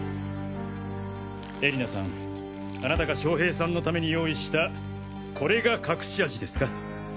絵里菜さんあなたが将平さんのために用意したこれが隠し味ですか？